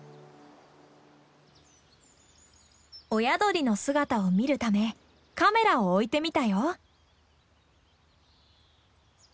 親鳥の姿を見るためカメラを置いてみたよ。